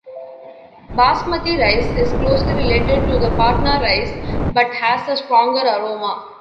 Basmati rice is closely related to the Patna rice but has a stronger aroma.